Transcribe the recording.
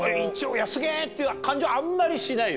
すげぇ！っていう感じはあんまりしないよね。